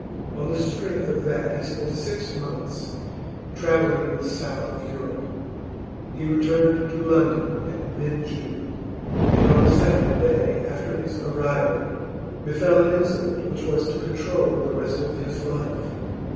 On the strength of that he spent six months travelling in the South of Europe. He returned to London at mid June, and on the second day after his arrival befell an incident which was to control the rest of his life.